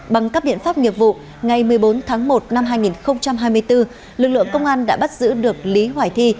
bằng các biện pháp nghiệp vụ ngày một mươi bốn tháng một năm hai nghìn hai mươi bốn lực lượng công an đã bắt giữ được lý hoài thi